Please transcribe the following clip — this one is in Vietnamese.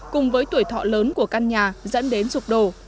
cùng với tuổi thọ lớn của căn nhà dẫn đến rục đổ